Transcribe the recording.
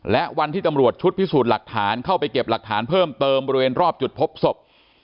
และวันที่ตำรวจชุดพิสูจน์หลักฐานเข้าไปเก็บหลักฐานเพิ่มเติมบริเวณรอบจุดพบศพ